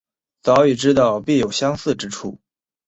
早已知道必有相似之处